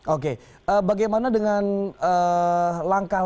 oke bagaimana dengan langkah langkah